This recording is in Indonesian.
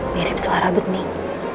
mirip suara bening